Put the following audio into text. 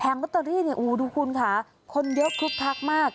แผงลัตเตอรี่ดูคุณค่ะคนเยอะคลุปทักมาก